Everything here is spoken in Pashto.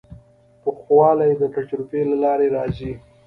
پوخوالی د تجربې له لارې راځي.